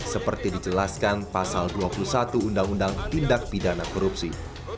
seperti dijelaskan pasal dua puluh satu undang undang tindak pidana korupsi